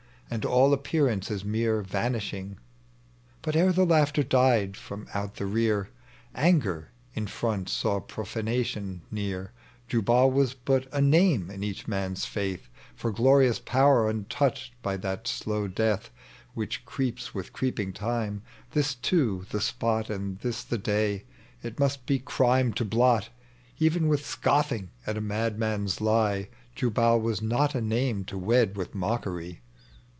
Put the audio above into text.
And all appearance is mere vanishing. But ere the laughter died from out the rear, Anger in front saw profanation near ; .tec bv Google THE LEGEND OF JUBAL. 37 Jubal was but a naioe in each man's faith For glorious power untouched by that alow death Which creeps with creeping time ; this too, the spot, And tliis the day, it must be crime to blot, Even with scoffing at a madmau's lie : .Tubal was not a name to wed with mockery.